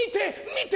見て！